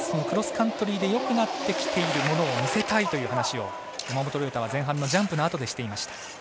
クロスカントリーでよくなってきているものを見せたいという話を山本涼太は前半のジャンプのあとにしていました。